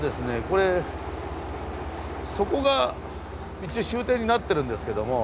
これそこが一応終点になってるんですけども。